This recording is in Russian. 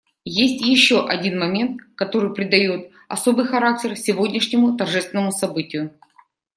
Есть еще один момент, который придает особый характер сегодняшнему торжественному событию.